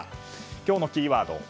今日のキーワード